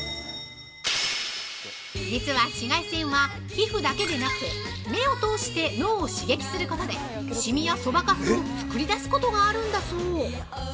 ◆実は紫外線は、皮膚だけでなく目を通して脳を刺激することでしみやそばかすを作り出すことがあるんだそう。